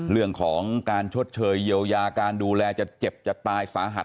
เรื่องของการชดเชยเยียวยาการดูแลจะเจ็บจะตายสาหัส